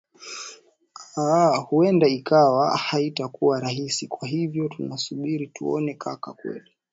aah huenda ikawa haitakuwa rahisi kwa hivyo tunasubiri tuone kweli kaka